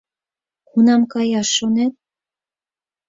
Кунам каяш шонет?